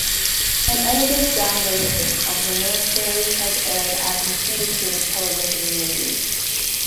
An edited down version of the miniseries has aired as a syndicated television movie.